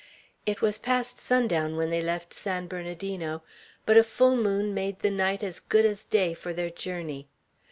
It was past sundown when they left San Bernardino, but a full moon made the night as good as day for their journey.